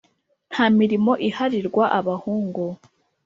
nta mirimo iharirwa abahungu